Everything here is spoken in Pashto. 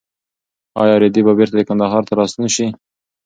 ایا رېدی به بېرته کندهار ته راستون شي؟